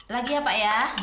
lagi ya pak ya